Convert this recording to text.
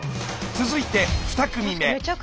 続いて２組目。